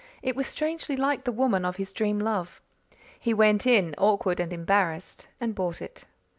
It was strangely like the woman of his dream love. He went in, awkward and embarrassed, and bought it.